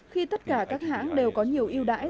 khi tất cả các hãng đều có nhiều yêu đãi